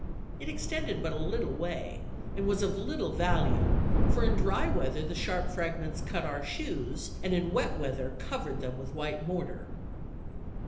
It extended but a little way, and was of little value, for in dry weather the sharp fragments cut our shoes, and in wet weather covered them with white mortar."